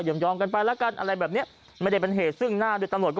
ยอมกันไปแล้วกับอะไรแบบนี้ไม่เป็นเหตุสึกน่าเดือนตำรวจก็